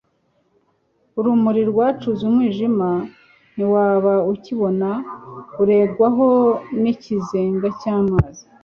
urumuri rwacuze umwijima, ntiwaba ukibona, urengwaho n'ikizenga cy'amazi